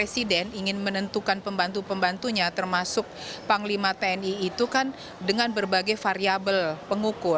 presiden ingin menentukan pembantu pembantunya termasuk panglima tni itu kan dengan berbagai variabel pengukur